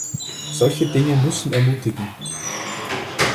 Solche Dinge müssen ermutigen.